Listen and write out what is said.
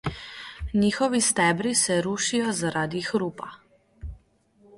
Njihovi stebri se rušijo zaradi hrupa.